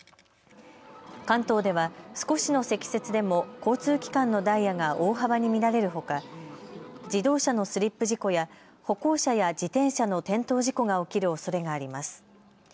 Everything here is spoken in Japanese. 関東では少しの積雪でも交通機関のダイヤが大幅に乱れるほか自動車のスリップ事故や歩行者や自転車の転倒事故が起きるおそれがあります。